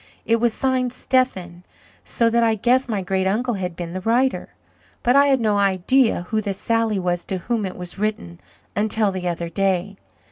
It was signed 'Stephen,' so that I guessed my great uncle had been the writer, but I had no idea who the Sally was to whom it was written, until the other day.